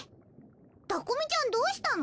タコ美ちゃんどうしたの？